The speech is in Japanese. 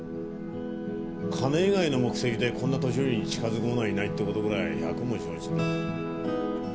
金以外の目的でこんな年寄りに近づく者がいないってことぐらい百も承知だ。